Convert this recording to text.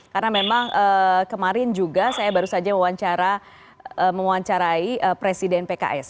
karena memang kemarin juga saya baru saja mewawancarai presiden pks